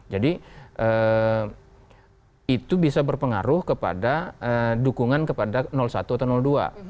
itu bisa berpengaruh kepada dukungan kepada satu atau dua